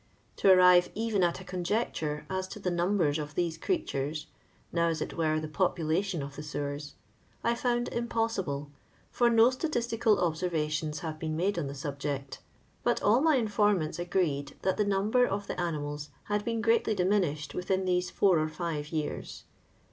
To arrire even at a conjecture as to the numbers of these creatures — now, as it were, the popuktion of the sewers — I found impos sible, for no statistical obserrations hare been made on the subject; but all my informants agreed that the number of the animals had been greatly diminished within these four or five years.